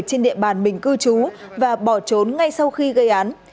trên địa bàn mình cư trú và bỏ trốn ngay sau khi gây án